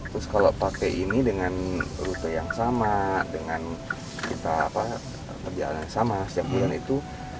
terus kalau pakai ini dengan rute yang sama dengan kita perjalanan yang sama setiap bulan itu